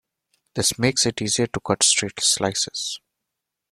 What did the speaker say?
This makes it easier to cut straight slices.